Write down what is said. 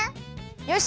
よし！